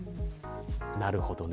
なるほどね。